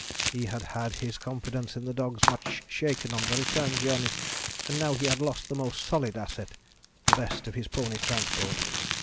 He had had his confidence in the dogs much shaken on the return journey, and now he had lost the most solid asset the best of his pony transport.